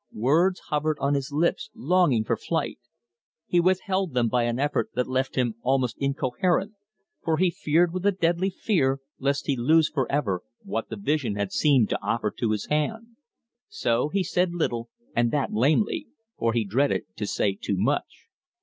Words hovered on his lips longing for flight. He withheld them by an effort that left him almost incoherent, for he feared with a deadly fear lest he lose forever what the vision had seemed to offer to his hand. So he said little, and that lamely, for he dreaded to say too much.